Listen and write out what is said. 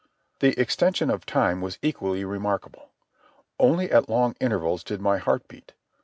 The extension of time was equally remarkable. Only at long intervals did my heart beat.